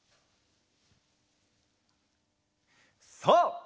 そう！